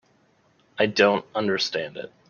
I don't understand it.